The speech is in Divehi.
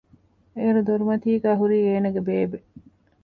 އޭރު ދޮރުމަތީގައި ހުރީ އޭނަގެ ބޭބޭ